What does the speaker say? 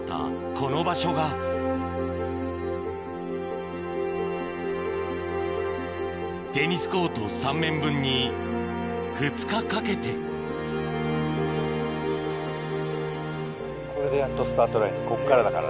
この場所がテニスコート３面分に２日かけてこっからだからね。